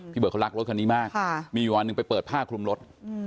พี่เบิร์ตเขารักรถคนนี้มากมีวันนึงไปเปิดผ้าคลุมรถ